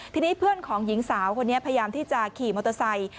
ทีนี้เพื่อนของหญิงสาวคนนี้พยายามที่จะขี่มอเตอร์ไซค์